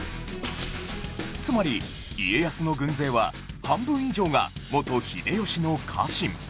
つまり家康の軍勢は半分以上が元秀吉の家臣